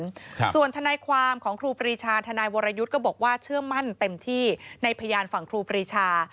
ครับส่วนทนายความของครูปรีชาทนายวรยุทธ์ก็บอกว่าเชื่อมั่นเต็มที่ในพยานฝั่งครูปรีชา